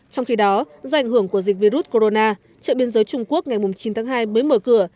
trong khi đó do ảnh hưởng của dịch virus corona chợ biên giới trung quốc ngày chín tháng hai mới mở cửa